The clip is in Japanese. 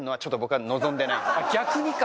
逆にか。